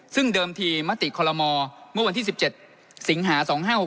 ซึ่งเดิมที่มติคลมมที่๑๗สิงหา๒๕๖๔